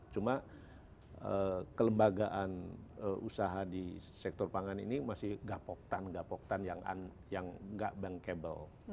cuma kelembagaan usaha di sektor pangan ini masih gapoktan gapoktan yang nggak bankable